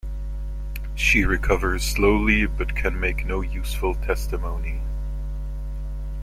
She recovers slowly but can make no useful testimony.